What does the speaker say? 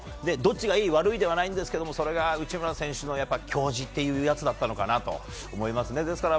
どっちがいい悪いではないんですけどそれが内村選手の矜持というやつかなと思いますね。